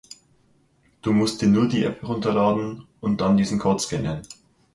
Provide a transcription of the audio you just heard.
Du musst dir nur die App runterladen und dann diesen Code scannen.